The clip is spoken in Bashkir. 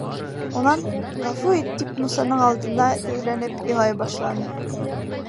Унан, ғәфү ит, тип Мусаның алдына теҙләнеп илай башланы.